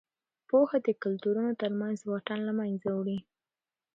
پوهه د کلتورونو ترمنځ واټن له منځه وړي.